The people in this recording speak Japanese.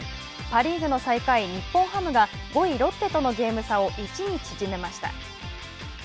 パ・リーグの最下位・日本ハムが５位・ロッテとのゲーム差を１に縮めました。